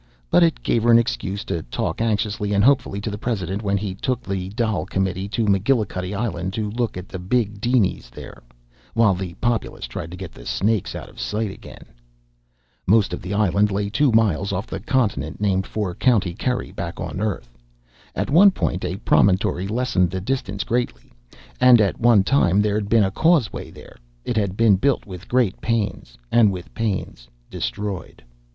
But it gave her an excuse to talk anxiously and hopefully to the president when he took the Dail Committee to McGillicuddy Island to look at the big dinies there, while the populace tried to get the snakes out of sight again. Most of the island lay two miles off the continent named for County Kerry back on Earth. At one point a promontory lessened the distance greatly, and at one time there'd been a causeway there. It had been built with great pains, and with pains destroyed.